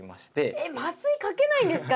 えっ麻酔かけないんですか？